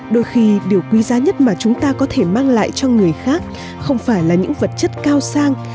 đôi khi điều quý giá nhất mà chúng ta có thể mang lại cho người khác không phải là những vật chất cao sang